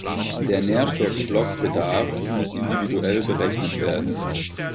Der Nährstoffblock-Bedarf muss individuell berechnet werden.